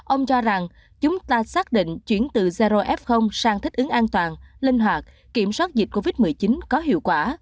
ông cho rằng chúng ta xác định chuyển từ zrof sang thích ứng an toàn linh hoạt kiểm soát dịch covid một mươi chín có hiệu quả